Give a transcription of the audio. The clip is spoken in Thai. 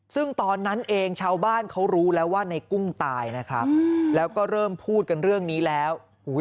ซึ่งตอนนั้นเองชาวบ้านเขารู้แล้วว่าในกุ้งตายนะครับแล้วก็เริ่มพูดกันเรื่องนี้แล้ว